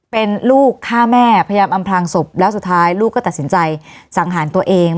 เป็นลูกฆ่าแม่พยายามอำพลางศพแล้วสุดท้ายลูกก็ตัดสินใจสังหารตัวเอง